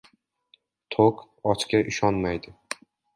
Toʻq ochga ishonmaydi.